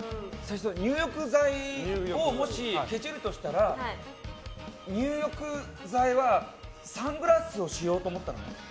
入浴剤をもしケチるとしたら入浴剤はサングラスをしようと思ったのね。